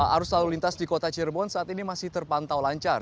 arus lalu lintas di kota cirebon saat ini masih terpantau lancar